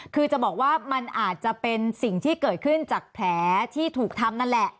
คือจะบอกว่ามันอาจจะเป็นสิ่งที่เกิดขึ้นจากแผลที่ถูกทำนั่นแหละ